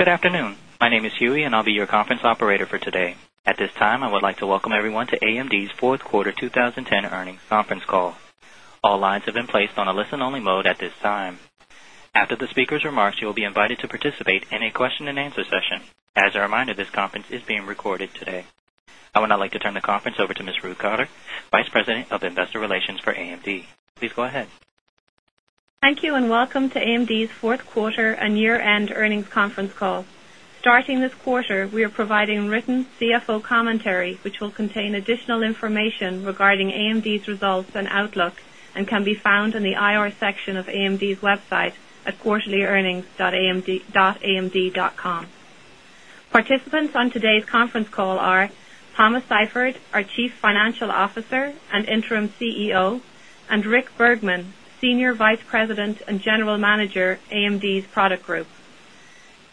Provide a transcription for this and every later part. Good afternoon. My name is Huey, and I'll be your conference operator for today. At this time, I would like to welcome everyone to AMD's 4th Quarter 2010 Earnings Conference Call. All lines have been placed on a listen only mode at this time. After the speakers' remarks, you will be invited to participate in a question and answer session. As a reminder, this conference is being recorded today. I would now like to turn the conference over to Ms. Ruth Cotter, Vice President of Investor Relations for AMD. Please go ahead. Thank you, and welcome to AMD's 4th quarter and year end earnings conference call. Starting this quarter, we are providing written CFO commentary, call today, which will contain additional information regarding AMD's results and outlook and can be found in the IR section of AMD's website atquarterlyearnings.amd.com. Participants on today's conference call are Thomas Seifert, our Chief Financial Officer and Interim CEO and Rick Bergman, Senior Vice President and General Manager, AMD's Product Group.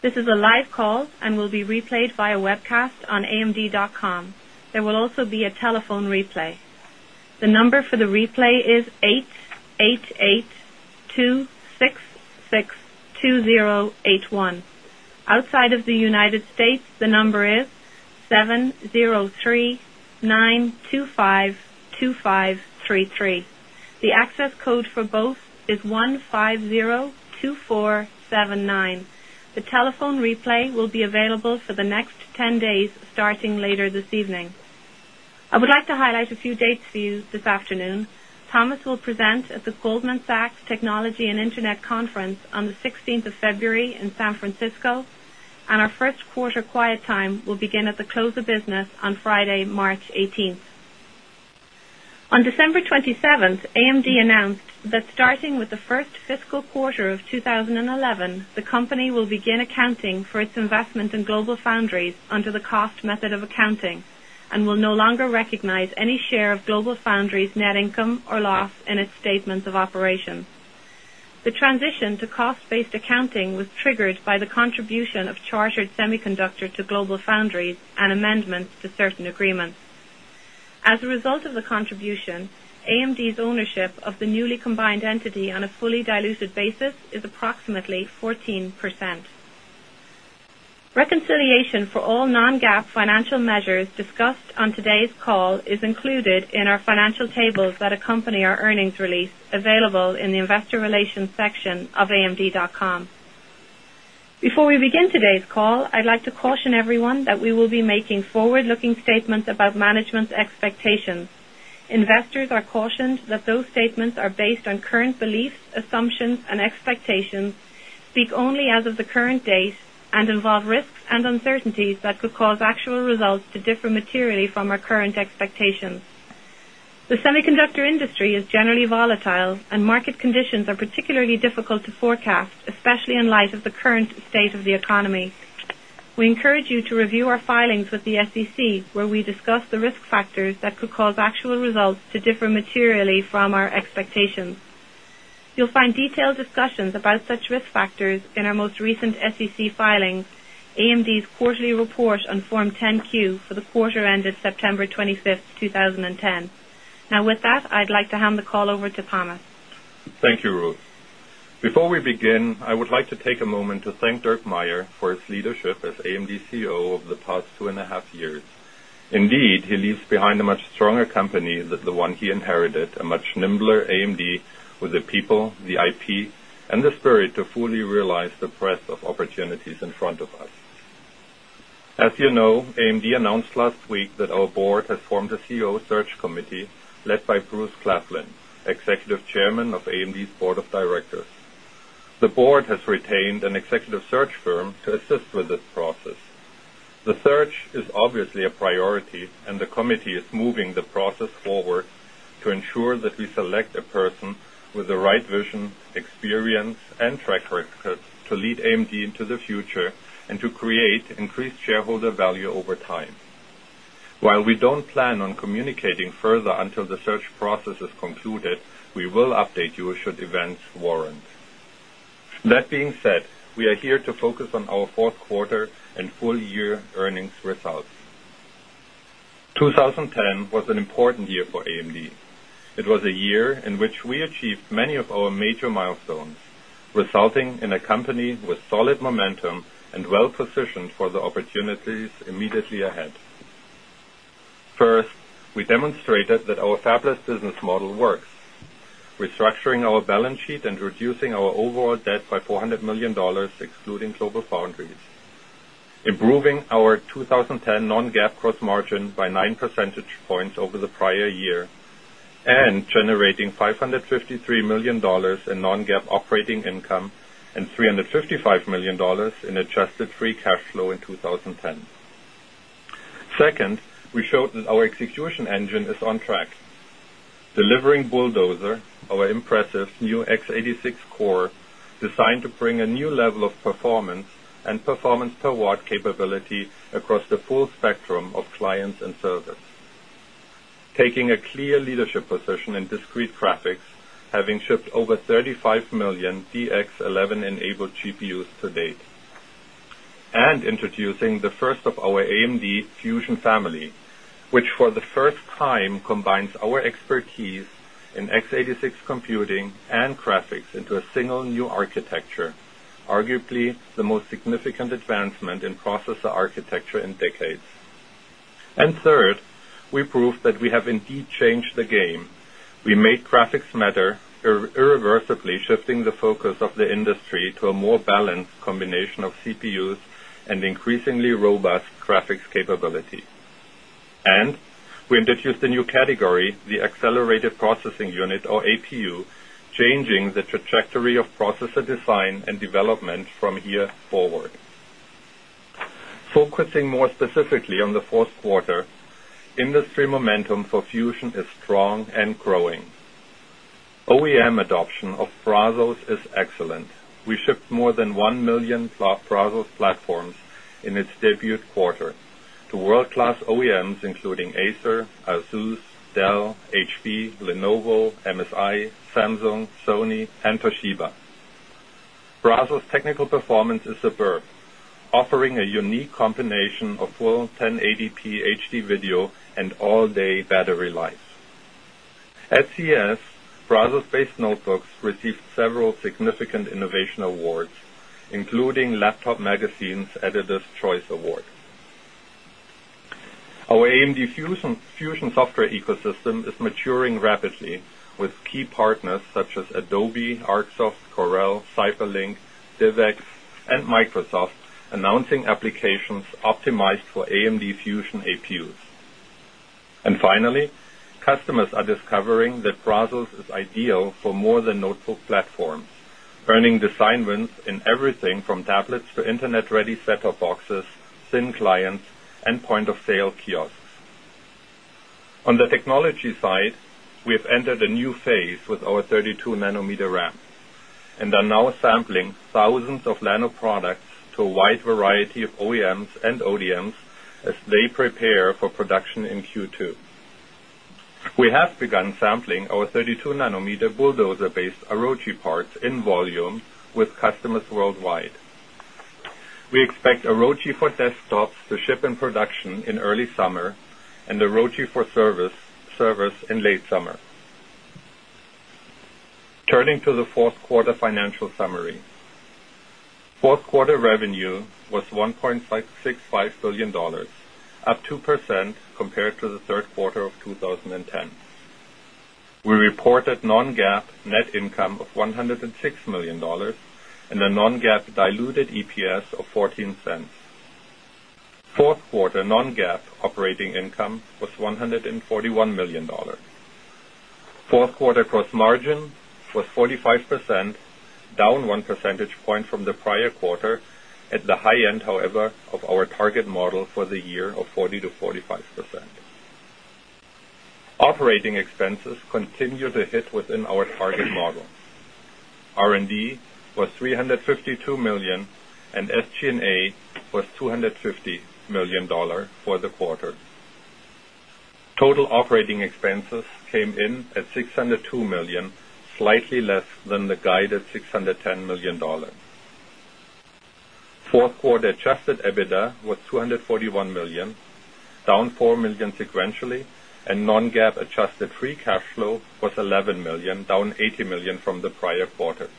This is a live call and will be replayed via webcast on amd.com. There will also be a telephone replay. The access code for both is 150,279. The telephone replay conference call today will be available for the next 10 days starting later this evening. I would like to highlight a few dates for you this afternoon. Thomas will present at the Goldman Sachs Technology and Internet Conference on the 16th February in San Francisco, and our Q1 quiet time will begin at the close of business on Friday, March 18. On December 27, AMD announced that starting with the 1st fiscal quarter of 2011, the company will begin accounting for its investment in GLOBALFOUNDRIES under the cost method of accounting and will no longer recognize any share of GLOBALFOUNDRIES net income or loss in its statements of operations. The transition to cost based accounting was triggered by the contribution of Chartered Semiconductor to Global Foundries and amendments to certain agreements. As a result of the contribution, AMD's ownership of the newly combined entity on a fully diluted basis is approximately 14%. Conference call. Reconciliation for all non GAAP financial measures discussed on today's call is included in our financial tables that accompany our earnings release conference call available in the Investor Relations section of amd.com. Before we begin today's call, I'd like to caution everyone that we will be making forward looking statements about management's expectations. Investors are cautioned that those statements are based on current beliefs, assumptions and expectations speak only as of the current date and involve risks and uncertainties that could cause actual results to differ materially from our current expectations. The semiconductor industry is generally volatile and market conditions are particularly difficult to forecast, especially in light of the current state of the economy. Call. We encourage you to review our filings with the SEC, where we discuss the risk factors that could cause actual results to differ materially from our expectations. You'll find detailed discussions about such risk factors in our most recent SEC filings, AMD's quarterly report on Form 10 Q for the quarter ended December 25, 2010. Now with that, I'd like to hand the call over to Thomas. Thank you, Ruth. Before we begin, I would like to take a moment to and to thank Dirk Meyer for his leadership as AMD's CEO over the past two and a half years. Indeed, he leaves behind a much stronger company that the one he inherited, a much nimbler AMD with the people, the IP and the spirit to fully realize the breadth of opportunities in front of us. As you know, AMD announced last week that our Board has formed a CEO search committee led by Bruce Claflin, Executive Chairman of AMD's Board of Directors. The Board has retained an executive search firm to assist with this process. Person with the right vision, experience and track record to lead AMD into the future and to create increased shareholder value over time. While we don't plan on communicating further until the search process is concluded, we will update you should events warrant. That being said, we are here to focus on our 4th quarter and full year earnings results. 2020 was an important year for AMD. It was a year in which we achieved many of our major milestones, results, resulting in a company with solid momentum and well positioned for the opportunities immediately ahead. Q4. First, we demonstrated that our fabless business model works, restructuring our balance sheet and reducing quarter. Our overall debt by $400,000,000 excluding GlobalFoundries, improving our 20 10 non GAAP gross margin by 9 percentage Q4 earnings conference call over the prior year and generating $553,000,000 in non GAAP operating income and $355,000,000 in adjusted free cash flow in 2010. 2nd, we showed that our execution engine is on track, delivering Bulldozer, our impressive new X86 core designed to bring a new level of performance and performance per watt capability across the full spectrum of clients and service. Taking a clear leadership position in discrete graphics, having shipped over 35,000,000 DX11 enabled GPUs to date and introducing the first of our AMD Fusion family, Which for the first time combines our expertise in x86 computing and graphics into a single new architecture, arguably the most significant advancement in processor architecture in decades. And third, we proved that we have indeed changed the game. We made graphics matter, irreversibly shifting the focus of the industry to a more balanced combination of CPUs and increasingly robust graphics capability. And we introduced a new category, the accelerated processing unit or APU, changing the trajectory of processor design and development from here forward. Focusing more specifically on the 4th quarter, Industry momentum for Fusion is strong and growing. OEM adoption of Brazos is excellent. We shipped more than 1,000,000 cloud browser platforms in its debut quarter to world class OEMs including Acer, browser's technical performance is superb, offering a unique combination of full 1080p HD video and all day battery life. At CES, browser based notebooks received several significant innovation awards, including Laptop Magazine's Editor's Choice Award. Our AMD Fusion software ecosystem is maturing rapidly with key partners such as Adobe, ArcSoft, Corel, CyberLink, DIVEX and Microsoft announcing applications optimized for AMD Fusion APUs. And finally, customers are discovering that Brazos is ideal for more than notebook platforms, earning design wins in everything from tablets to Internet ready set top boxes, thin clients and point of sale kiosks. On the technology side, we have entered a new phase with our 32 nanometer ramp and are now sampling thousands of Lano products to a wide 22 nanometer bulldozer based Orochi parts in volume with customers worldwide. We expect Orochi for desktops to ship in production Q4 revenue in early summer and the ROCE for service in late summer. Turning to the 4th quarter financial summary. 4th quarter revenue was $1,650,000,000 up 2% compared to the Q3 of 2010. We reported non GAAP net income of $106,000,000 and a non GAAP diluted EPS of $0.14 4th quarter non GAAP operating income was $141,000,000 4th quarter gross margin was 45%, down 1 percentage point from the prior quarter at the high end, however, of our target model for the year of 40% to 45%. Operating expenses continue to hit within our target model. R and D was 352,000,000 and SG and A was $250,000,000 for the quarter. Total operating expenses came in at $602,000,000 slightly less than the guided $610,000,000 4th quarter adjusted EBITDA was $241,000,000 down $4,000,000 sequentially and non GAAP adjusted free cash flow was $11,000,000 down $80,000,000 from the prior quarter.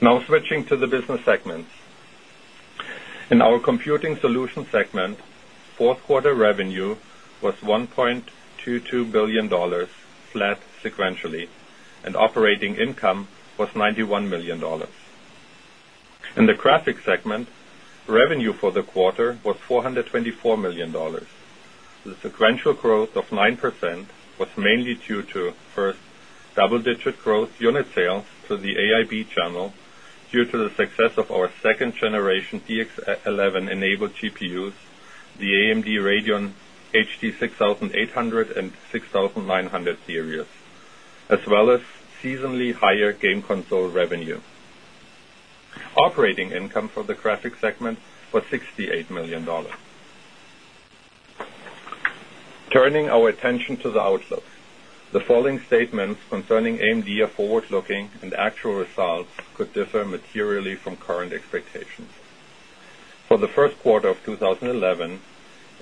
Now switching to the business segments. In our Computing Solutions segment, 4th quarter revenue was $1,220,000,000 flat sequentially, and operating income was $91,000,000 In the Graphics segment, revenue for the quarter was $424,000,000 sequential growth of 9% was mainly due to 1st double digit growth unit sales to the AIB channel Due to the success of our 2nd generation DX11 enabled GPUs, the AMD Radeon HD 6,800 and 6,009 Q4, as well as seasonally higher game console revenue. Operating income for the Graphics segment for $68,000,000 Turning our attention to the outlook. The following statements call. Concerning AMD are forward looking and actual results could differ materially from current expectations. For the Q1 of 2011,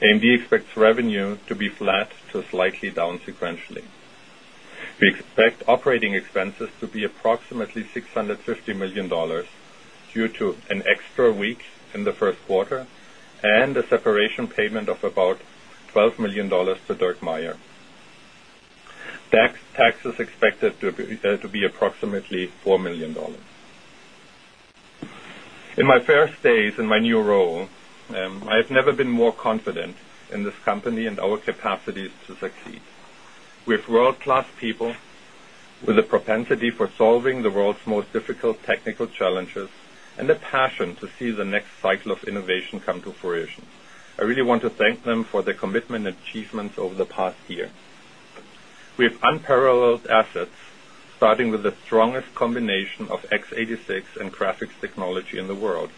AMD expects revenue to be flat to slightly down sequentially. We expect operating expenses to be approximately $650,000,000 due to an extra week in the Q1 and a separation payment of about $12,000,000 to DIRKMAIER. Tax is expected to be approximately $4,000,000 In my first days in my new role, I have never been more confident in this company and our capacities to succeed. We have world class people With a propensity for solving the world's most difficult technical challenges and a passion to see the next cycle of innovation come to fruition, I really want to thank them for their commitment and achievements over the past year. We have unparalleled assets, starting with the strongest combination of X86 and graphics technology in the world.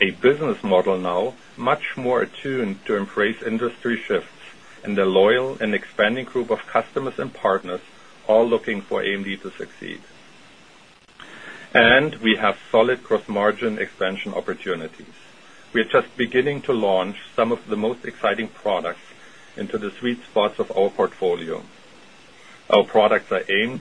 A business model now and we are much more attuned to embrace industry shifts in the loyal and expanding group of customers and partners all looking for AMD to succeed. And we have solid gross margin expansion opportunities. We are just beginning to launch some of the most exciting products into the sweet and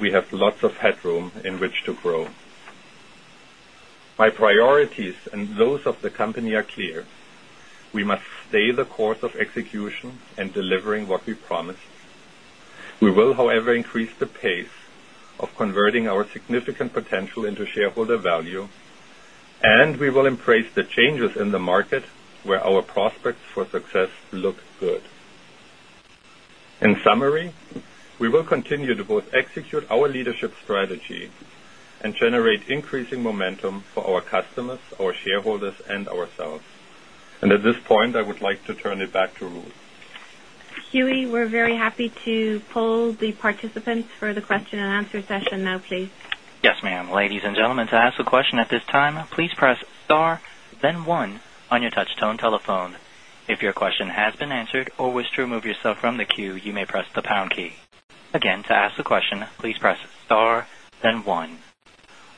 we have lots of headroom in which to grow. My priorities and those of the company are clear. We must stay the course of execution and delivering what we promised. We will, however, increase the pace of converting our significant potential into shareholder value, and we will embrace the changes in the market Q4, where our prospects for success look good. In summary, we will continue to both execute our leadership strategy and generate increasing momentum for our customers, our shareholders and ourselves. And at this point, I would like to turn it back to Ruth. Huey, we're very happy to poll the participants for the question and answer session now please. Yes, ma'am.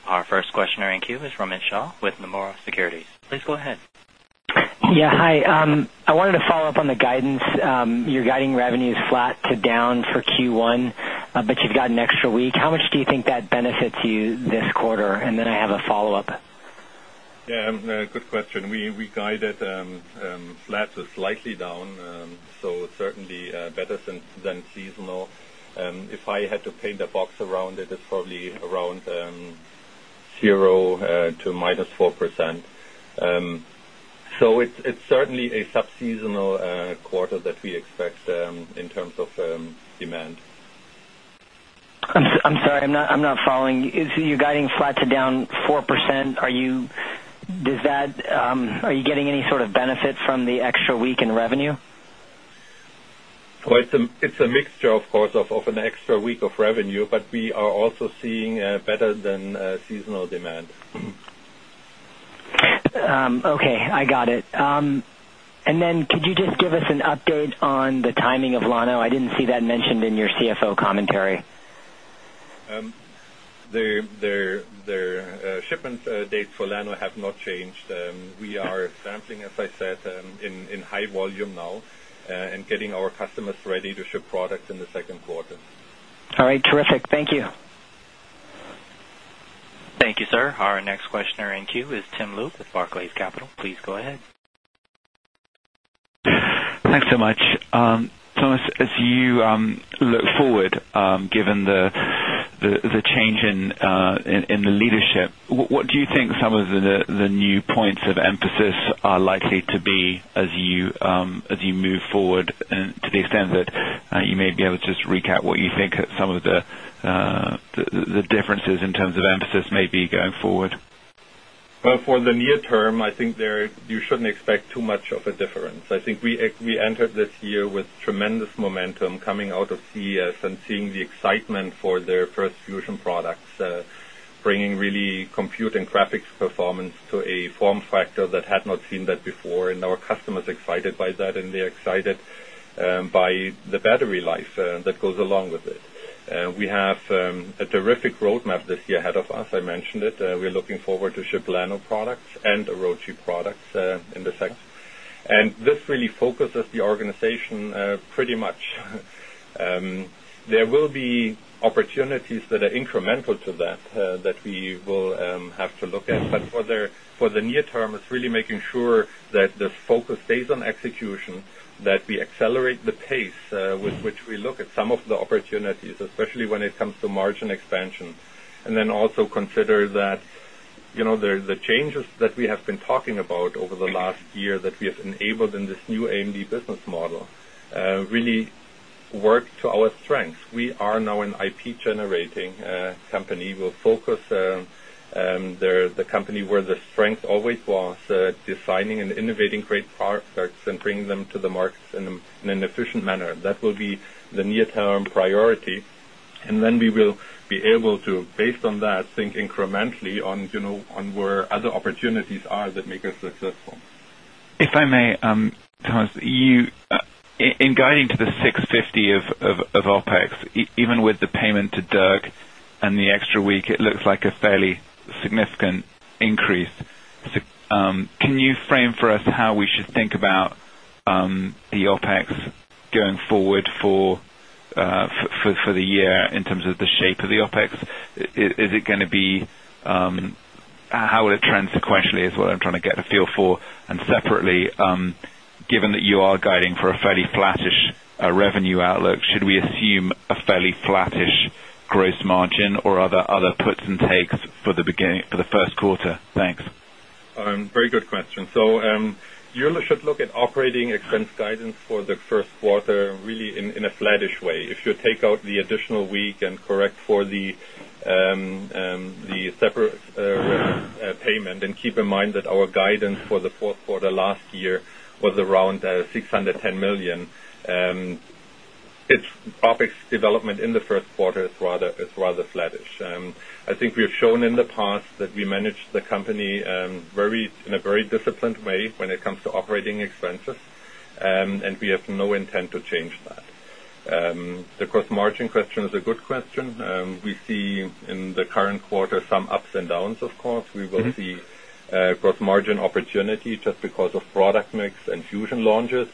Our first questioner in queue is Ramin Shah with Nomura Securities. Please go ahead. Yes. Hi. I wanted to follow-up on the guidance. You're guiding revenues flat to down for Q1, but you've got an Shouik, how much do you think that benefits you this quarter? And then I have a follow-up. Yes, good question. We guided flat to slightly So certainly better than seasonal. If I had to paint a box around it, it's probably around 0 to minus 4%. So it's certainly a sub seasonal quarter that we I'm sorry, I'm not following. So you're guiding flat to down 4%. Are you does Chad, are you getting any sort of benefit from the extra week in revenue? Well, it's a mixture of course of an extra week of revenue, But we are also seeing better than seasonal demand. Okay. I got it. And then could you just give us an update on the timing of Lano? I didn't see that mentioned in your CFO commentary. Their shipment dates for Lano have not changed. We are sampling, as I said, in high volume now and getting our customers ready to ship products in the 2nd quarter. All right. Terrific. Thank you. Thank you, sir. Our next questioner in queue is Tim Luke with Barclays Capital. Please go ahead. Thanks so much. Thomas, as you look forward, given the change in the leadership, What do you think some of the new points of emphasis are likely to be as you move forward to the extent that You may be able to just recap what you think some of the differences in terms of emphasis maybe going forward. Well, for the near term, I think there you shouldn't expect too much of a difference. I think we entered this year with tremendous momentum coming out of CES and seeing the excitement for their 1st fusion products, bringing really compute and graphics performance to a form factor that had not seen that before and our customers are excited by that and they're excited by the battery life that goes along with it. We have a terrific roadmap this year ahead of us. I mentioned that we are looking forward to ship Lano products and the ROACE products in the sector. And this really focuses the organization pretty much. There will be Opportunities that are incremental to that that we will have to look at. But for the near term, it's really making sure That the focus stays on execution, that we accelerate the pace with which we look at some of the opportunities, especially when it comes to margin expansion. And then also consider that the changes that we have been talking about over the last year that we have enabled in this new AMD business model Really work to our strength. We are now an IP generating company. We'll focus The company where the strength always was, designing and innovating great products and bringing them to the markets in in an efficient manner. That will be the near term priority. And then we will be able to based on that think incrementally on where Other opportunities are that make us successful. If I may Thomas, you in guiding to the 650 of of OpEx, even with the payment to DIRG and the extra week, it looks like a fairly significant increase. Can you frame for us how we should think about the OpEx going forward for the year in terms of the shape of the OpEx. Is it going to be how would it trend sequentially as well? I'm trying to get And separately, given that you are guiding for a fairly flattish revenue outlook, should we assume A fairly flattish gross margin or other puts and takes for the beginning for the Q1? Thanks. Very good question. So, you should look at operating expense guidance for the Q1 really in a flattish way. If you take out the additional week and correct for the With around €610,000,000 its OpEx development in the Q1 is rather flattish. I think we have shown in the call. We manage the company in a very disciplined way when it comes to operating expenses, and we have no intent to change that. The gross margin question is a good question. We see in the current quarter some ups and downs, of course. We will see gross margin opportunity just because of product mix and fusion launches.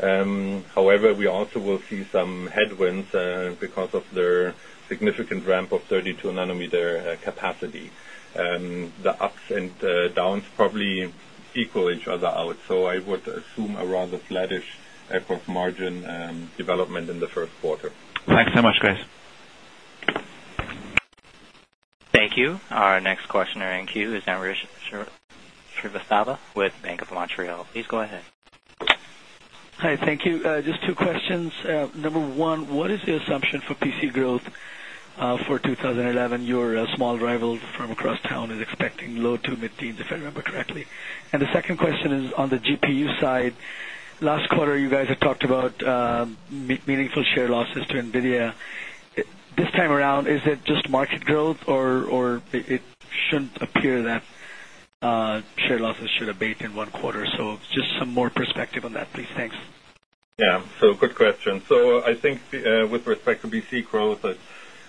However, we also will see some headwinds because of their significant ramp of 32 nanometer capacity. The ups and downs probably equal So I would assume a rather flattish gross margin development in the Q1. Thanks so much, guys. Thank you. Our next questioner in queue is now Rishi Srivastava with Bank of Montreal. Please go ahead. Hi, thank you. Just two questions. Number 1, what is the assumption for PC growth for 2011? Your small rival from across town is expecting low to mid teens, if I remember correctly. And the second question is on the GPU side. Last quarter, you guys had talked about meaningful share This time around, is it just market growth or it shouldn't appear that Share losses should abate in 1 quarter, so just some more perspective on that, please. Thanks. Yes. So good question. So I think with respect to BC growth,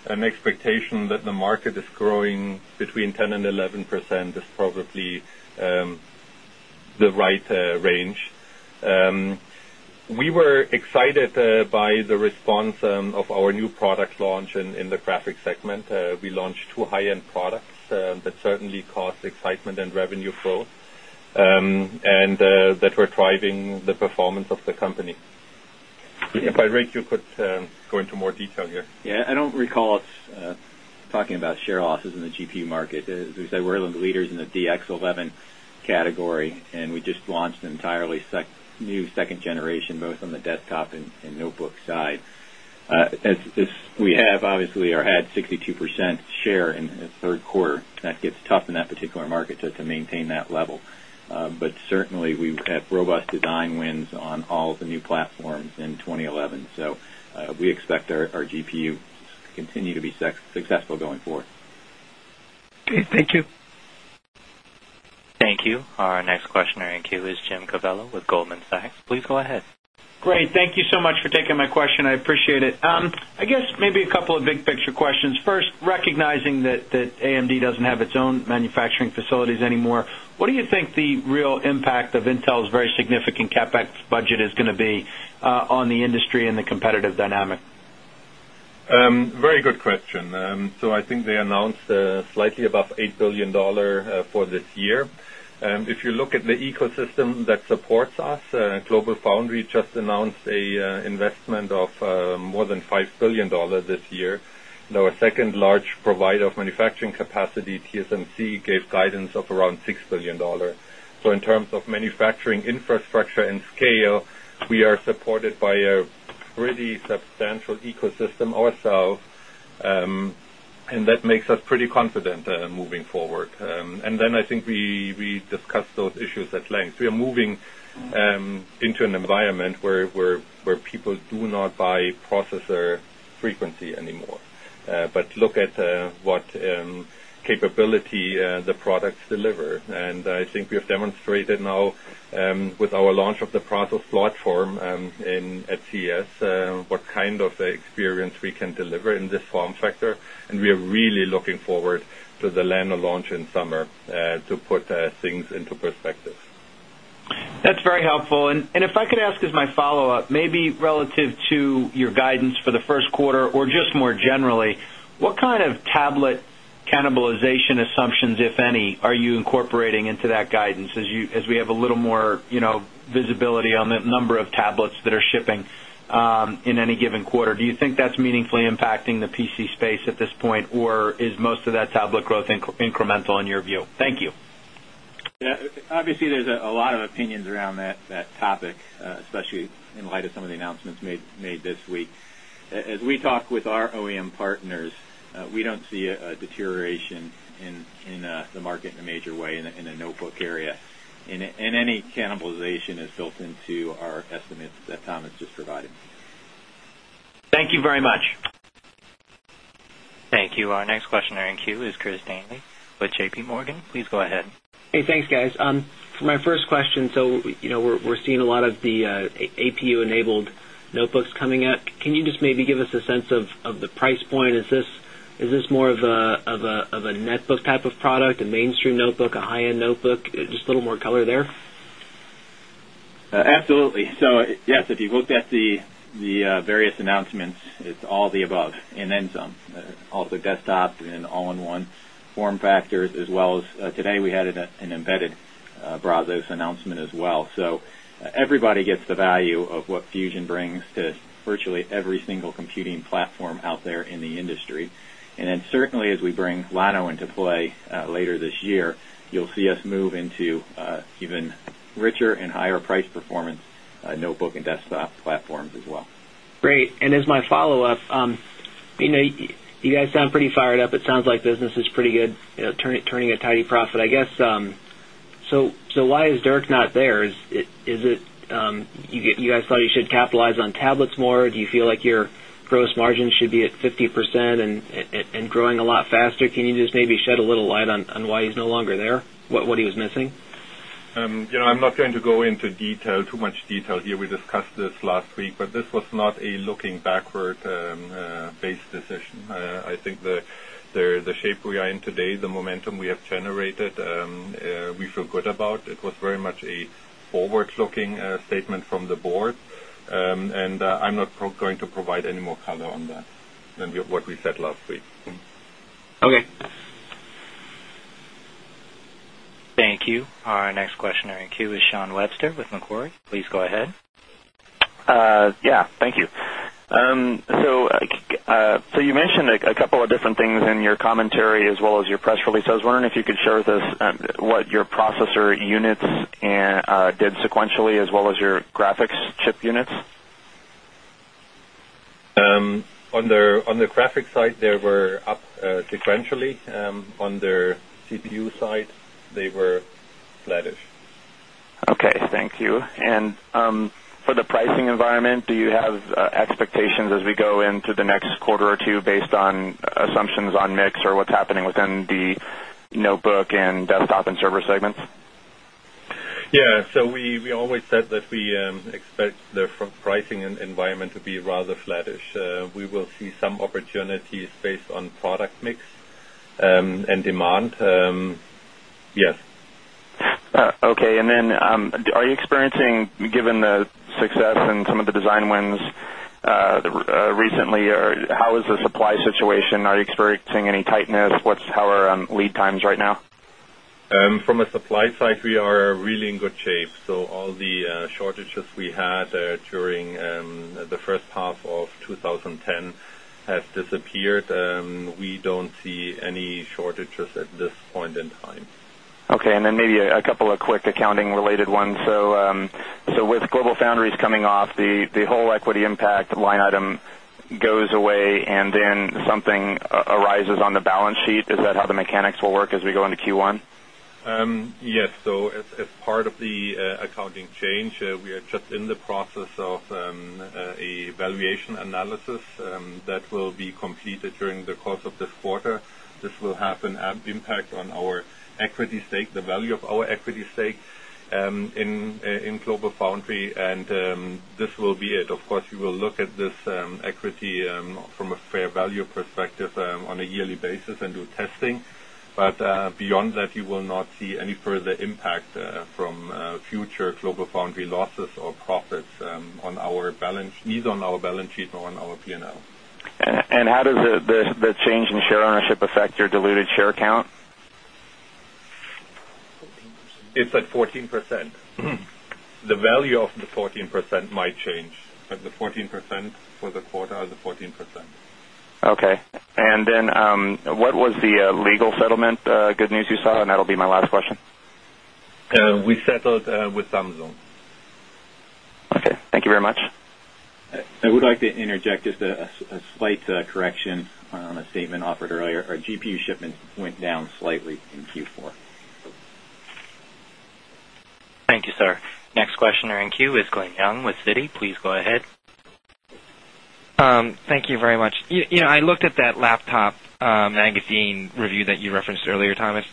An expectation that the market is growing between 10% 11% is probably launch in the graphics segment. We launched 2 high end products that certainly caused excitement and revenue growth, and that were driving the performance of the company. If I Rick, you could go into more detail here. Yes. I don't recall us talking about share losses in the GPU market. We said we're one of the leaders in the DX11 category and we just launched entirely new second generation both on the desktop and notebook side. We have obviously or had 62% share in the 3rd quarter. That gets tough in that particular market to maintain that level. But certainly, we had robust design wins on all of the new platforms in 2011. So, we expect our GPU continue to be successful going forward. Okay. Thank you. Thank you. Our next questioner in queue is Jim Covello with Goldman Sachs. Please go ahead. Great. Thank you so much for taking my question. I appreciate it. I guess maybe a couple of big picture questions. First, recognizing that AMD doesn't have its own manufacturing facilities anymore. What do you think the real impact of Intel's very significant CapEx budget is going to be on the industry and the competitive dynamic? Very good question. So I think they announced slightly above $8,000,000,000 for this year. If you look at the ecosystem that supports us, GlobalFoundry just announced an investment of more than $5,000,000,000 this year. Now a second large provider of manufacturing capacity, TSMC gave guidance of around $6,000,000,000 So in terms of manufacturing infrastructure and scale, We are supported by a pretty substantial ecosystem ourselves and that makes us confident moving forward. And then I think we discussed those issues at length. We are moving into an environment Where people do not buy processor frequency anymore, but look at what capability experience we can deliver in this form factor and we are really looking forward to the LENO launch in summer to put things into perspective. That's very helpful. And if I could ask as my follow-up, maybe relative to your guidance for the Q1 or just more Generally, what kind of tablet cannibalization assumptions, if any, are you incorporating into that guidance as we have a little More visibility on the number of tablets that are shipping in any given quarter. Do you think that's meaningfully impacting the DC space at this point or is most of that tablet growth incremental in your view? Thank you. Yes. Obviously, there's a lot of opinions around topic, especially in light of some of the announcements made this week. As we talk with our OEM partners, We don't see a deterioration in the market in a major way in a notebook area. And any cannibalization is built into our estimates that Tom has just provided. Thank you very much. Thank you. Our next questioner in queue is Chris Danely with JPMorgan. Please go ahead. Hey, thanks guys. My first question, so we're seeing a lot of the APU enabled notebooks coming out. Can Can you just maybe give us a sense of the price point? Is this more of a net book type of product, a mainstream book, a high end notebook, just a little more color there. Absolutely. So, yes, if you looked at the various announcements, it's all the above and then some also desktop and all in one form factors as well as today we had an embedded Brazos announcement as well. So everybody gets the value of what Fusion brings to virtually every single computing platform out there in the industry. And then and certainly as we bring Lano into play later this year, you'll see us move into even richer and higher price performance notebook and desktop platforms as well. Great. And as my follow-up, you guys sound pretty fired up. It sounds like business This is pretty good turning a tidy profit. I guess, so why is Dirk not there? Is it you guys thought you should to capitalize on tablets more. Do you feel like your gross margin should be at 50% and growing a lot faster? Can you just maybe shed a little light and why he's no longer there, what he was missing. I'm not going to go into detail, too much detail here. We discussed this last But this was not a looking backward based decision. I think the shape we are in today, the momentum we have generated, We feel good about it. It was very much a forward looking statement from the Board. And I'm not going to provide any more color on that What we said last week. Okay. Thank you. Our next questioner in queue is Sean Webster with Macquarie. Please go ahead. Yes. Thank you. So you mentioned a couple of different things in commentary as well as your press release. I was wondering if you could share with us what your processor units did sequentially as well as your graphics chip units? On the graphics side, they were up sequentially. On the CPU side, they were Okay. Thank you. And for the pricing environment, do you have expectations as we go in to the next quarter or 2 based on assumptions on mix or what's happening within the notebook and desktop and server segments. Yes. So we always said that we expect the pricing environment to be rather flattish. We will see some Okay. And then, are you experiencing, given the success and some of the design wins recently or how is the supply situation? Are you expert Seeing any tightness, what's our lead times right now? From a supply side, we are really in good shape. So all the shortages we During the first half of twenty ten has disappeared. We don't see any shortages at this point in time. Okay. And then maybe a couple of quick accounting related ones. So with GlobalFoundries coming off, the whole equity impact line item goes away and then something arises on the balance sheet. Is that how the mechanics will work as we go into Q1? Yes. So, as part of the accounting change. We are just in the process of a valuation analysis that will be completed during the course of this quarter. This will have an impact on our equity stake, the value of our equity stake in GlobalFoundry and this will be it. Of course, we will look at this equity from a fair value perspective on a yearly basis and do testing. But beyond that, you will not see any further impact from future GLOBALFOUNDRI losses or profits on our balance sheet on our balance sheet or on our P and L. And how does the change in share ownership affect your diluted share count? It's at 14%. The value of the 14% might change, but the 14% For the quarter, I was at 14%. Okay. And then what was the legal settlement, good news you saw and that will be my last question. We settled with Samsung. Okay. Thank you very much. I would like to interject just a slight correction Thank you, sir. Next questioner in queue is Glenn Young with Citi. Please go ahead. Thank you very much. I looked at that laptop magazine review that you referenced earlier, Thomas.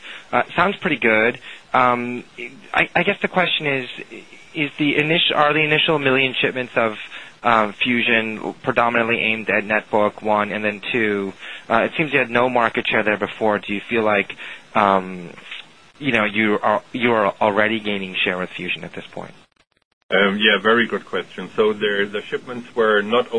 Sounds pretty good. I guess the question is, are the Initial 1,000,000 shipments of Fusion predominantly aimed at net book, 1. And then 2, it seems you had no market share there before. Do you feel Like you are already gaining share of Fusion at this point? Yes, very good question. So the shipments were not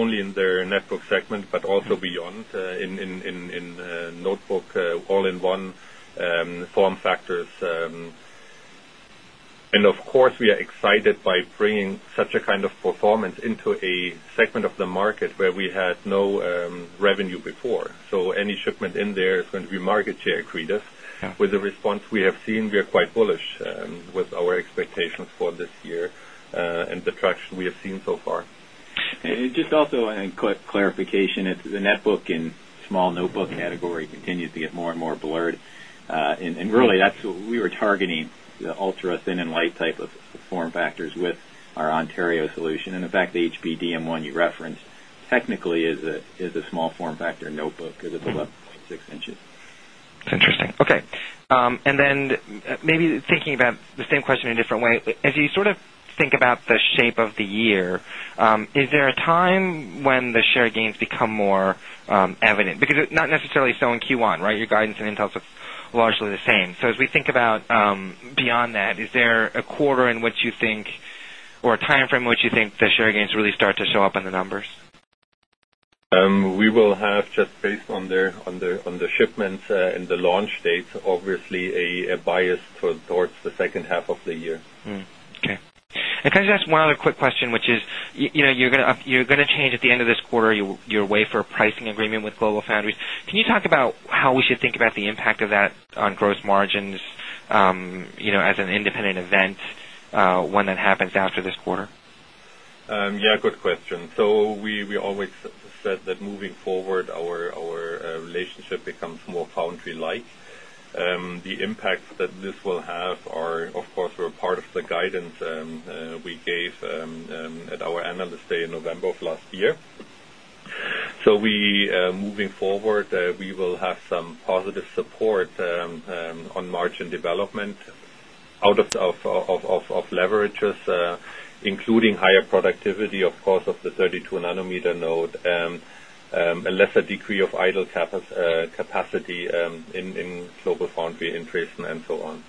And of course, we are excited by bringing such a kind of performance into a segment of the market where we had no revenue before. So any shipment in there, it's going to be market share accretive. With the response we have seen, we are quite bullish with our expectations for this year and the traction we have seen so far. And just also a quick clarification, the net book and small notebook category continues to get more and more blurred. And really that's what we were targeting the ultra thin and light type of form factors with our Ontario solution. And in fact, the HPDM-one you referenced technically is a small form factor notebook because it's about 6 inches Interesting. Okay. And then maybe thinking about the same question in a different way. As you sort of think about the shape of the year, is there a time when the share gains become more evident, because Not necessarily so in Q1, right? Your guidance in Intel is largely the same. So as we think about beyond that, is there a quarter in which you think or or timeframe which you think Fisher gains really start to show up in the numbers? We will have just based on the shipments and the launch date, Obviously, a bias towards the second half of the year. Okay. And can I just ask one other quick question, which is you're going to change at the end of this quarter your wafer pricing agreement with GlobalFoundries? Can you talk about how we should think about the impact of that on gross margins as an independent and when that happens after this quarter. Yes, good question. So we always said that moving forward, our relationship becomes foundry like. The impact that this will have are, of course, were part of the guidance we gave at our Analyst today in November of last year. So we moving forward, we will have some positive support on margin development out of leverages, including higher productivity, of course, of the 32 nanometer node, A lesser degree of idle capacity in GlobalFoundry and Tristan and so on.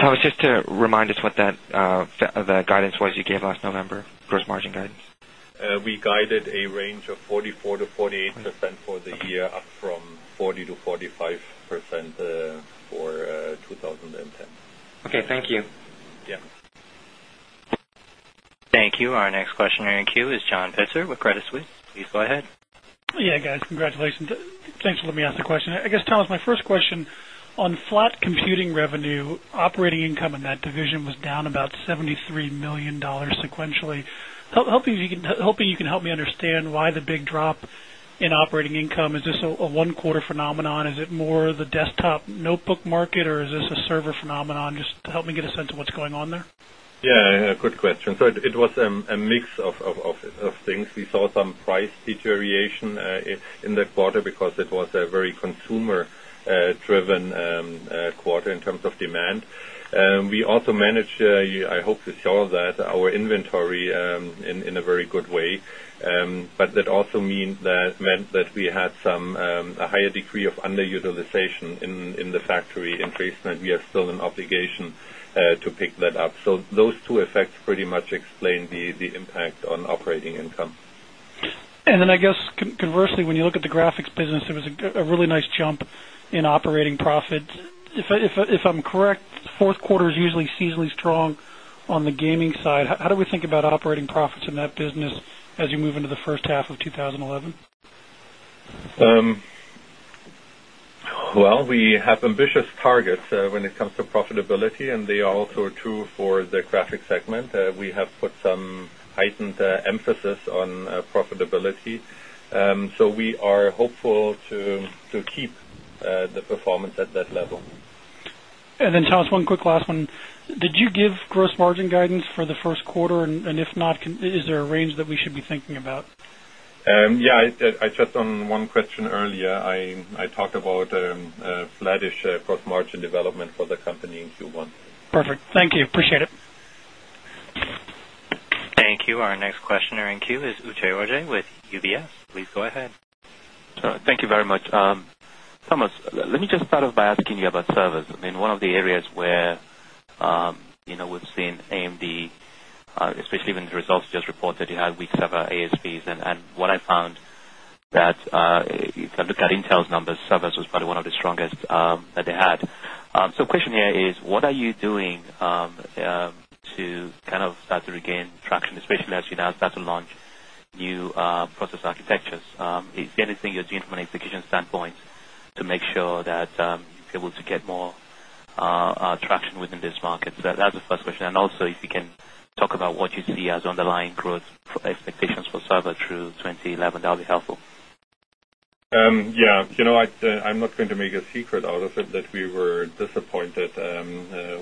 Thomas, just to remind us what that guidance was you gave last November, gross margin guidance? We guided a range of 44% to 48% for the year, up From 40% to 45% for 2010. Okay. Thank you. Thank you. Our next questioner in queue is John Pitzer with Credit Suisse. Please go ahead. Yes, guys. Congratulations. Thanks for letting me ask the question. I guess, Thomas, my question. On flat computing revenue, operating income in that division was down about $73,000,000 sequentially. Hoping you can help me Stan, why the big drop in operating income? Is this a 1 quarter phenomenon? Is it more the desktop notebook market? Or is this a server phenomenon? Just Yes, good question. So, it was a mix of things. We saw some price initiation in the quarter because it was a very consumer driven quarter in terms of demand. We also managed, I hope you saw that, our inventory in a very good way. But that also means that we had some higher degree of underutilization in the factory in placement. We have still an obligation to pick that up. So those two effects pretty much explained the impact on operating income. And then I guess conversely when you look at the graphics business, it was a really nice jump in operating If I'm correct, 4th quarter is usually seasonally strong on the gaming side. How do we think about operating profits in that business as you move into the first half of 2011. Well, we have ambitious targets when it comes to profitability and they are also true For the graphic segment, we have put some heightened emphasis on profitability. So we are hopeful to keep the performance at that level. And then, Thomas, one quick last one. Did you give gross margin guidance for the Q1? And if not, is there a range We should be thinking about. Yes. Just on one question earlier, I talked about flattish gross margin development for the company in Q1. Perfect. Thank you. Appreciate it. Thank you. Our next questioner in queue is Uche Ojei with UBS. Please go ahead. Thank you very much. Thomas, let me just start off by asking you about service. I mean, one of the areas where We've seen AMD, especially even the results just reported, you had weak server ASPs. And what I found that if I look at Intel's numbers, service was probably one of the strongest that they had. So question here is, what are you doing to kind of start to regain traction, especially as you now start to launch new process architectures. Is there anything you're doing from an execution standpoint to make sure that you're able to get more traction within this market. So that's the first question. And also if you can talk about what you see as underlying growth expectations for Saba through 2011. That would be helpful. Yes. I'm not going to make a secret out of it that we were disappointed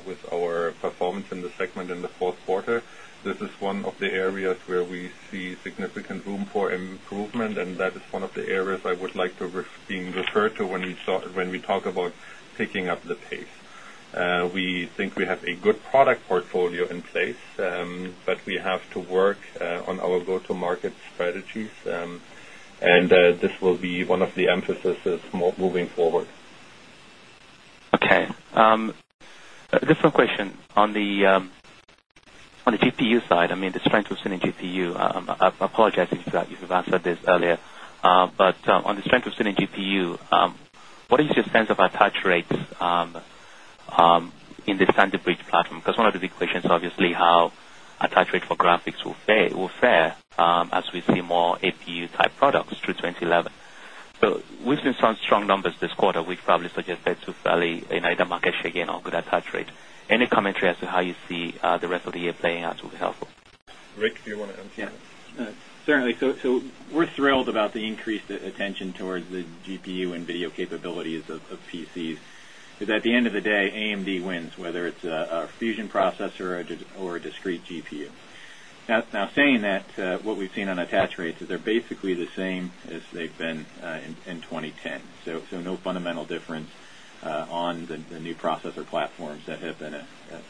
with our performance in the segment in the Q4. This is one of the areas where we see significant Room for improvement and that is one of the areas I would like to refer to when we talk about picking up the pace. We think we have a good product portfolio in place, but we have to work on our go to market strategies and this will be one of the emphasis moving forward. Okay. Just one question on the GPU side, I mean the strength of Cineg GPU, I apologize if you've answered this earlier, but On the strength of Cine GPU, what is your sense of attach rates in the Thunder Bridge platform? Because one of the big questions obviously how attach rate for graphics will fare as we see more APU type products through 2011. So we've seen some strong numbers this quarter, which probably suggests results. Any commentary as to how you see the rest of the year playing out would be helpful. Rick, do you want to answer? Certainly. So we're thrilled about the increased attention towards the GPU and video capabilities of PCs. At the end of the day, AMD wins, whether it's a Fusion Processor or a Discrete GPU. Now saying that, what we've seen on attach rates They're basically the same as they've been in 2010. So no fundamental difference on the new processor platforms that have been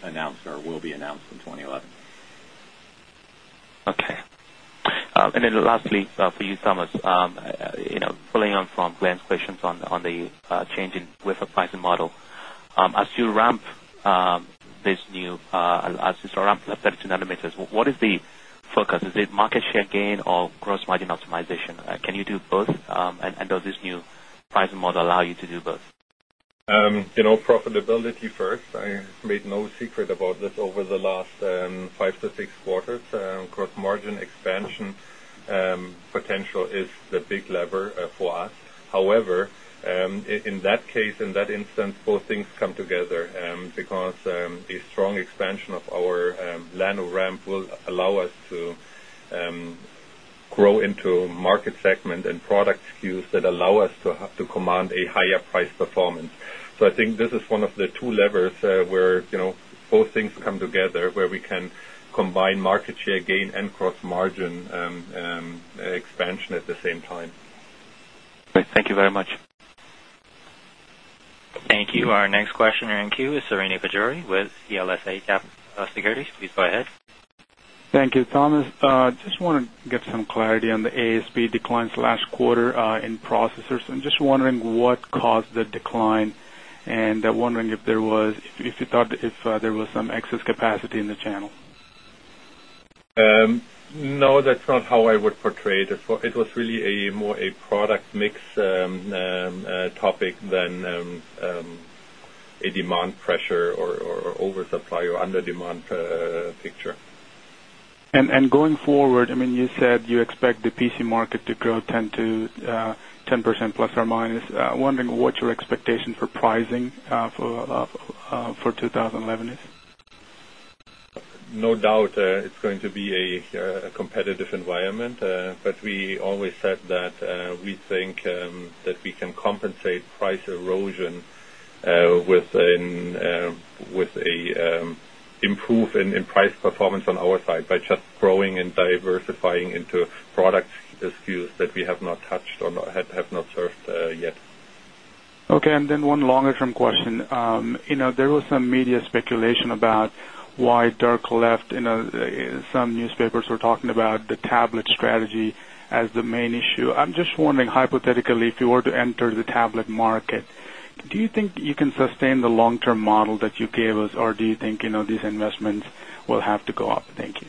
Announced or will be announced in 2011. Okay. And then lastly for you, Thomas, pulling on from Glenn's questions on the changing wafer pricing model. As you ramp this new as you start ramping up to 32 nanometers, what is the focus. Is it market share gain or gross margin optimization? Can you do both? And does this new pricing model allow you to do both? Profitability first, I made no secret about this over the last 5 to 6 quarters, gross margin expansion potential is the big lever for us. However, in that case, in that instance, both things come together because the strong expansion of our Llanow ramp will allow us to grow into market segment and product SKUs that allow us to command a higher price performance. So I think this is one of the two levers where both things come together, where we can combined market share gain and gross margin expansion at the same time. Okay. Thank you very much. Thank you. Our next questioner in queue is Sarene Pajjuri with CLSA Securities. Please go ahead. Thank you. Thomas, just wanted to get some clarity on the ASP declines last quarter in processors. I'm just wondering what caused the decline and wondering if there was if you thought if there was some excess capacity in the channel? No, that's not how I would portray it. It was really a more a product mix topic than A demand pressure or oversupply or under demand picture. And going forward, I mean, you said you expect the PC market to grow 10% to 10% plus or minus, wondering what your expectation for pricing for 2011 is? No doubt it's going to be a competitive environment, but we always said that we We think that we can compensate price erosion with an improvement in price performance on our side Just growing and diversifying into product SKUs that we have not touched or have not served yet. Okay. And then one longer term question. There was some media speculation about why Dirk left. Some newspapers were talking about tablet strategy as the main issue. I'm just wondering hypothetically, if you were to enter the tablet market, do you think you can sustain and the long term model that you gave us or do you think these investments will have to go up? Thank you.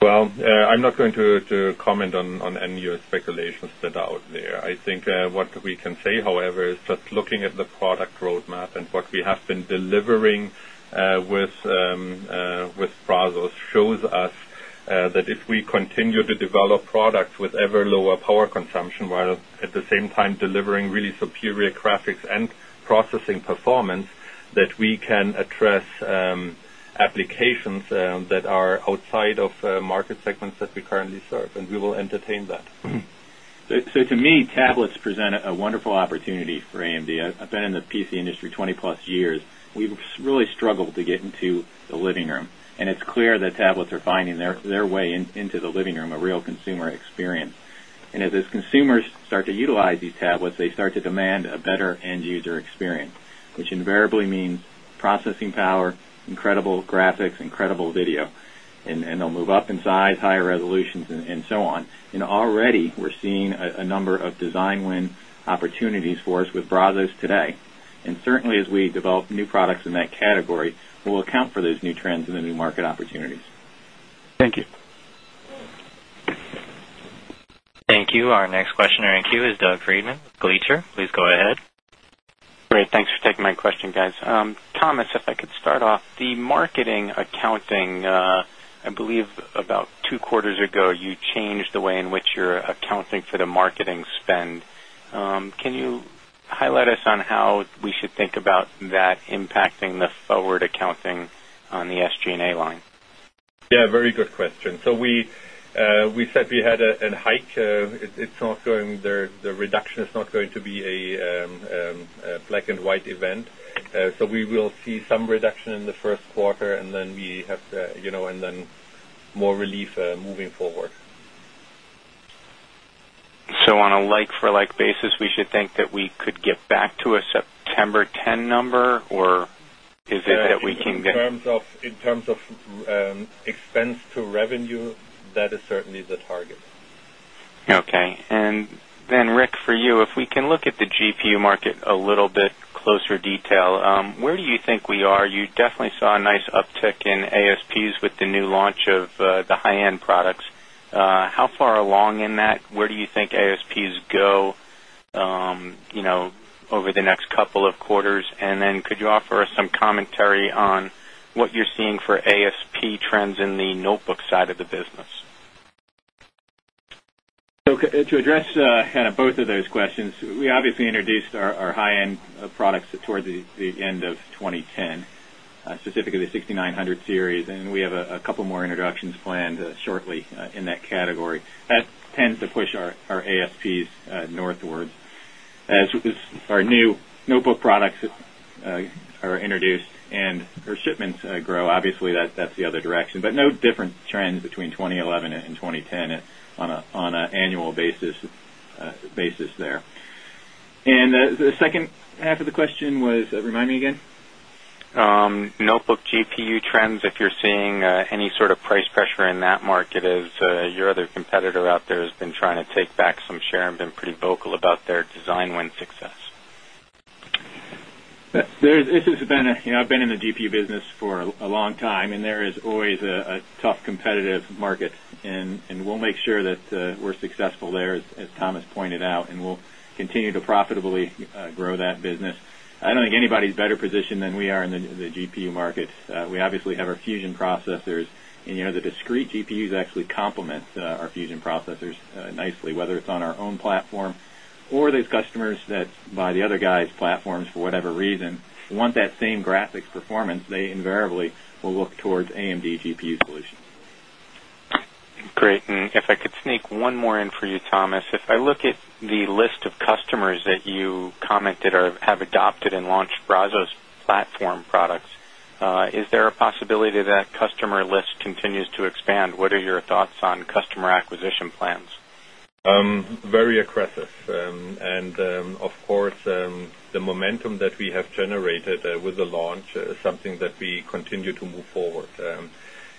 Well, I'm not going to comment on any speculations that are out there. I think what we can say, however, is just looking at product roadmap and what we have been delivering with Brazos shows us that if we applications that are outside of market segments that we currently serve and we will entertain that. So to me, tablets present a wonderful opportunity for AMD. I've been in the PC industry 20 plus years. We've really struggled to get into The living room and it's clear that tablets are finding their way into the living room a real consumer experience. And as consumers start to utilize these tablets, They start to demand a better end user experience, which invariably means processing power, incredible graphics, incredible video, and they'll move up in size, higher resolutions and so on. And already we're seeing a number of design win opportunities for us with Brazos today. And certainly as we develop new products in that category, we will account for those new trends in the new market opportunities. Thank you. Thank you. Our next questioner in queue is Doug Friedman with Gleacher. Please go ahead. Great. Thanks for taking my question guys. Thomas, if I could start off, the marketing accounting. I believe about 2 quarters ago, you changed the way in which you're accounting for the marketing spend. Can you Highlight us on how we should think about that impacting the forward accounting on the SG and A line. Yes, very good question. So we said we had a hike. It's not going the reduction is not going to be a black and event. So we will see some reduction in the Q1 and then we have and then more relief moving forward. So on a like for like basis, we should think that we could get back to a September 10 number or In terms of expense to revenue, that is certainly the target. Okay. And then Rick for you, if we can look at the GPU market a little bit closer detail, where do you think we are? You definitely saw a nice uptick in ASPs with the new launch of the high end products. How far along in that? Where do you think ASPs go over the next couple of quarters. And then could you offer us some commentary on what you're seeing for ASP key trends in the notebook side of the business. To address kind of both of those questions, we obviously introduced our high end products towards the end of 2010, specifically the 6,900 series and we have a couple more introductions planned shortly in that category. That 10 to push our ASPs northwards. As our new notebook products are introduced and shipments grow obviously that's the other direction, but no different trends between 20112010 on an annual basis there. And the second half of the question was remind me again. Notebook GPU trends if you're seeing any sort of price pressure in that market as your other competitor out there has been trying to take back some share and been pretty vocal about 3rd design win success. This has been a I've been in the GPU business for a long I mean, there is always a tough competitive market and we'll make sure that we're successful there as Thomas pointed out and we'll continue to profitably grow that business. I don't think anybody is better positioned than we are in the GPU market. We obviously have our Fusion Processors. The discrete GPUs actually complement our Fusion Processors nicely, whether it's on our own platform or these customers that By the other guys platforms for whatever reason, once that same graphics performance, they invariably will look towards AMD GPU solutions. Great. And if I could sneak one more in for you, Thomas. If I look at the list of customers that you commented or have adopted and launched Brazos platform products. Is there a possibility that customer list continues to expand? What are your thoughts on customer acquisition plans? Very aggressive. And of course, the momentum that we have generated with the launch is something that we continue to move forward.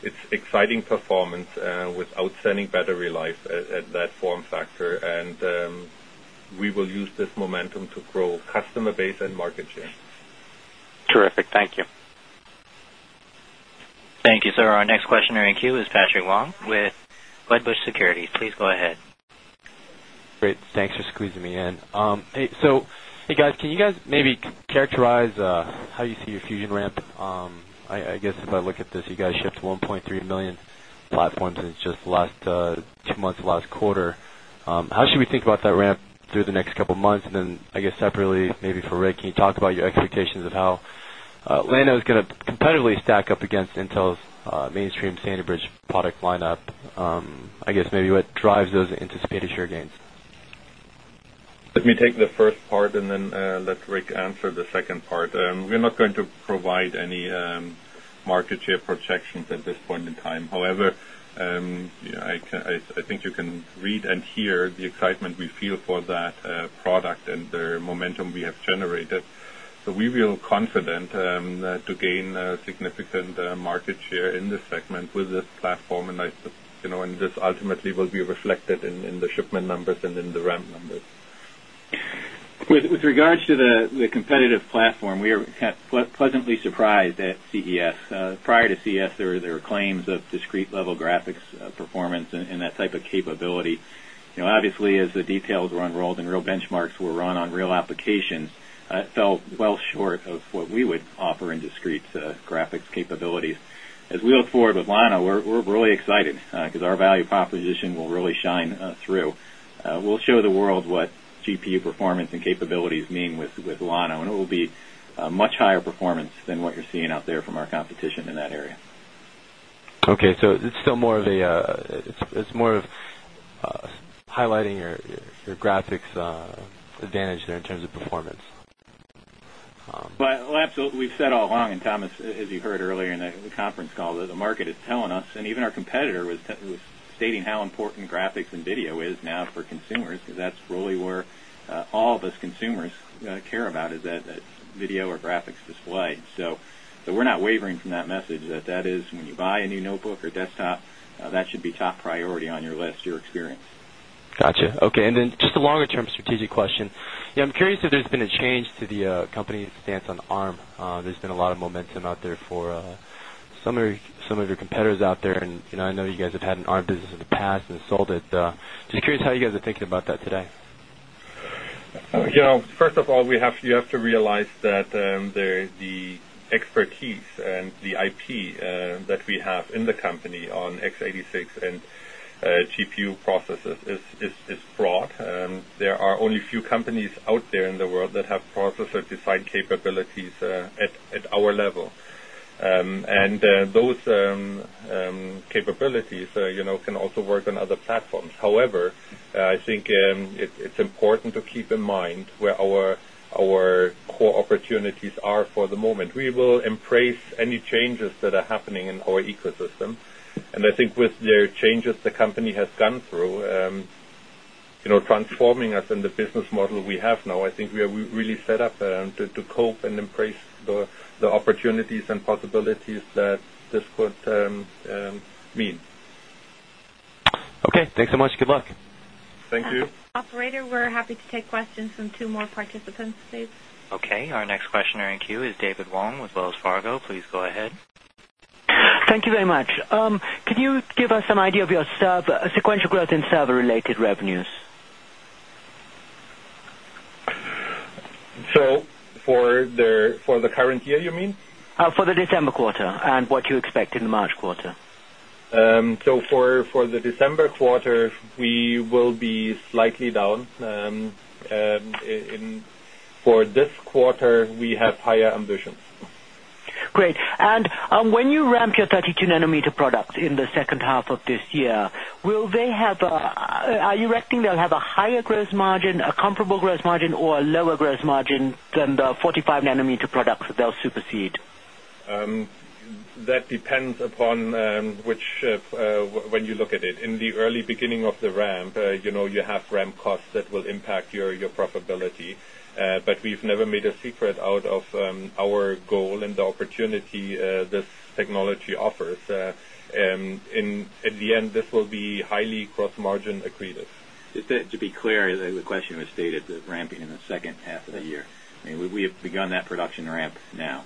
It's exciting performance with outstanding battery life at that form factor and We will use this momentum to grow customer base and market share. Terrific. Thank you. Thank you, sir. Our next questioner in queue is Patrick Wong with Wedbush Securities. Please go ahead. Great. Thanks for squeezing me in. So, hey guys, can you guys maybe characterize how you see your Fusion ramp? I guess if I look at this, you guys shipped 1,300,000 platform since just last 2 months last quarter. How should we think about that ramp through the next couple of months? And then I guess separately maybe for Rick, can you talk about your expectations of how Lando is going to competitively stack up against Intel's mainstream Sandy Bridge product lineup. I guess maybe what drives those anticipated share gains? Let me take the first part and then let Rick answer the second part. We're not going to provide any market share projections at this point in time. However, I think you can read and hear the excitement we feel for that product and the momentum we have generated. So we feel confident to gain significant market share in this segment with this platform and this ultimately will be reflected in the shipment numbers and in the ramp numbers. With regards to the competitive platform, we are pleasantly surprised at CES. Prior to CES, there were claims of discrete level graphics performance and that type of capability. Obviously, as the details were enrolled and real benchmarks were run on real applications, I felt well short of what we would offer in discrete graphics capabilities. As we look forward with Lano, we're really excited because our value composition will really shine through. We'll show the world what GPU performance and capabilities mean with Lano and it will be Much higher performance than what you're seeing out there from our competition in that area. Okay. So it's still more of a it's more of highlighting your graphics advantage there in terms of performance. Well, absolutely, we've said all along and Thomas, as you heard earlier in conference call that the market is telling us and even our competitor was stating how important graphics and video is now for consumers because that's Really where all of us consumers care about is that video or graphics display. So we're not wavering from that message that that is when you buy IMD Notebook or desktop. That should be top priority on your list, your experience. Got you. Okay. And then just a longer term strategic question. I'm curious if there's been a change to the in our business in the past and sold it. Just curious how you guys are thinking about that today? First of all, we have you have to realize that there is the expertise and the IP that we have in the company on X86 and GPU processes is There are only few companies out there in the world that have processor design capabilities at our level. And those capabilities can also work on other platforms. However, I think it's important to keep in mind where to our core opportunities are for the moment. We will embrace any changes that are happening in our ecosystem. And And I think with the changes the company has gone through, transforming us in the business model we have now, I think we are really set up to cope and embrace The opportunities and possibilities that this could mean. Okay. Thanks so much. Good luck. Thank you. Operator, we're happy to take questions from 2 more participants, please. Okay. Our next questioner in queue is David Wong with Wells Fargo. Please go ahead. Thank you very much. Could you give us an idea of your sequential growth in server related revenues? So for the current year, you mean? For the December quarter and what you expect in the March quarter? So for the December quarter, we will be slightly down. For this quarter, we have higher ambitions. Great. And when you ramp your 32 nanometer gross margin and 45 nanometer products that will supersede. That depends upon which when you look at it. In the early beginning of the ramp, you have Our goal and the opportunity this technology offers. At the end, this will be highly gross margin accretive. To be clear, the question was stated ramping in the second half of the year. I mean, we have begun that production ramp now.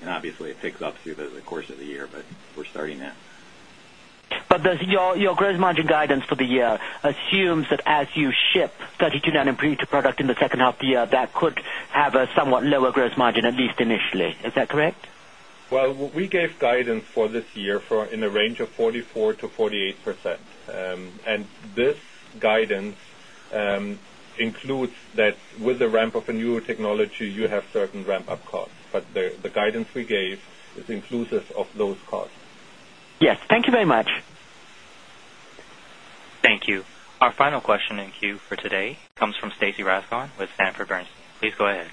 And obviously, it picks up through the course of the year, but But does your gross margin guidance for the year assumes that as you ship 32 NAND in pre to product in the second that could have a somewhat lower gross margin at least initially. Is that correct? Well, we gave guidance for this year for in the range of 44% to 48%. And this guidance includes that with the ramp up in neurotechnology, you have certain ramp up costs. Thank you. Our final question in queue for today comes from Stacy Rasgon with Sanford Bernstein. Please go ahead.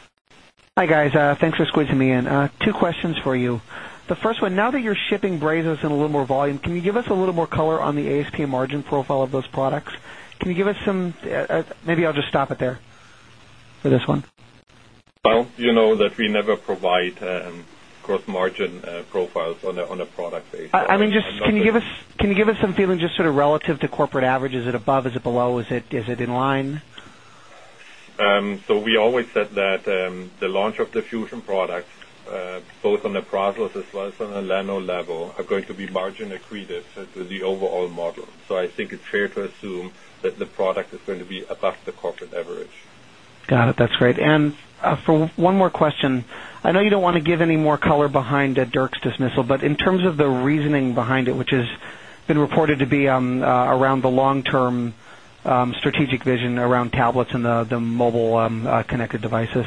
Hi, guys. Thanks for squeezing me in. Two questions for you. The first one, Now that you're shipping Brazos and a little more volume, can you give us a little more color on the ASP margin profile of those products? Can you give us some maybe I'll just stop it there for this one? Well, you know that we never provide gross margin profiles on a product basis. I mean, just can Can you give us some feeling just sort of relative to corporate average? Is it above? Is it below? Is it in line? So we always said that the launch of the Fusion product, Both on the APROZOS as well as on the LANO level are going to be margin accretive to the overall model. So I think it's fair to assume The product is going to be above the corporate average. Got it. That's great. And for one more question. I know you don't want to give any more color behind DIRKS dismissal, But in terms of the reasoning behind it, which has been reported to be around the long term strategic vision around tablets and the mobile connected devices.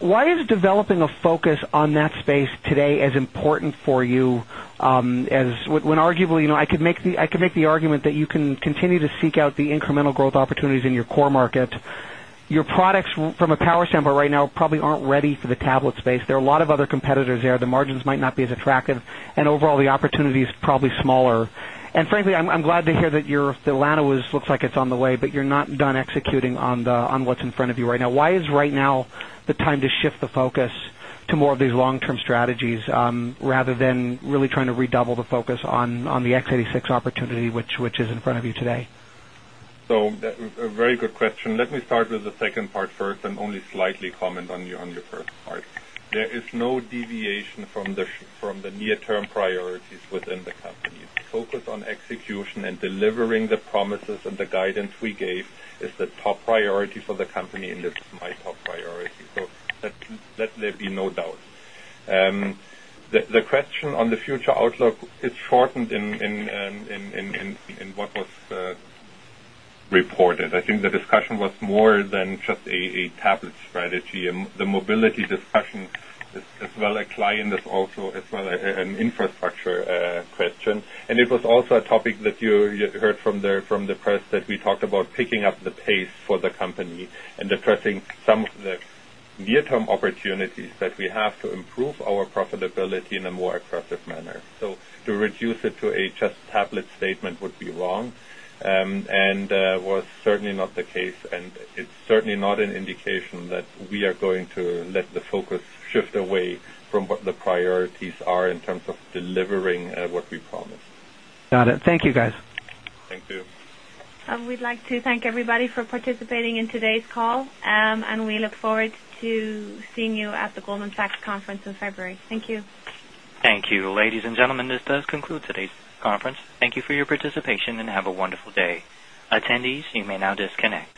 Why is developing a focus on that space today as important for you as when arguably I could make The argument that you can continue to seek out the incremental growth opportunities in your core market, your products from a power sample right now probably aren't ready for the tablet space. There are a lot of other competitors there. The margins might not be as attractive and overall the opportunity is probably smaller. And frankly, I'm glad to hear that your Atlanta was looks like it's on the way, but you're not done executing on what's in front of you right now. Why is right now The time to shift the focus to more of these long term strategies rather than really trying to redouble the focus on the X86 opportunity, which is in front of you today. So, a very good question. Let me start with the second part first and only slightly comment on your first part. There is no deviation from the near term priorities within the company. Focus on execution and delivering promises and the guidance we gave is the top priority for the company and it's my top priority. So let there be no doubt. The question on the future outlook is shortened in what was Reported. I think the discussion was more than just a tablet strategy. The mobility discussion is well a client is also as well an infrastructure question. And it was also a structure question. And it was also a topic that you heard from the press that we talked about picking up the pace for the company and addressing some of the near term opportunities that we have to improve our profitability in a more aggressive manner. So to reduce it to a just tablet statement would be wrong And was certainly not the case and it's certainly not an indication that we are going to let the focus shift away from what the priorities are in terms of delivering what we promised. Got it. Thank you, guys. Thank you. We'd like to thank everybody for in today's call, and we look forward to seeing you at the Goldman Sachs Conference in February. Thank you. Thank you. Ladies and gentlemen, this does conclude today's conference. Thank you for your participation and have a wonderful day. Attendees, you may now disconnect.